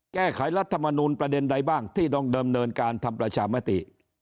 แก้ไขรัฐมนูลประเด็นใดบ้างที่ต้องเดิมเนินการทำประชามติ